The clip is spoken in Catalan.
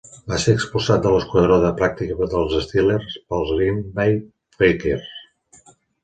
Va ser expulsat de l'esquadró de pràctica dels Steelers pels Green Bay Packers.